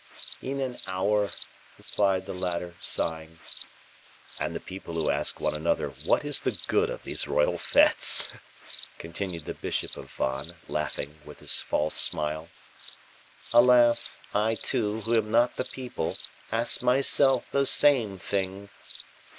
"In an hour!" replied the latter, sighing. "And the people who ask one another what is the good of these royal fetes!" continued the bishop of Vannes, laughing, with his false smile. "Alas! I, too, who am not the people, ask myself the same thing."